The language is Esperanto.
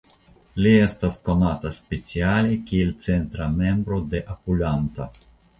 Li estas konata speciale kiel centra membro de Apulanta.